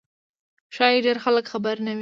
ښایي ډېر خلک خبر نه وي.